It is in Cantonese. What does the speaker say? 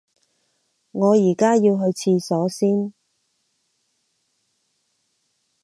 我而家要去廁所先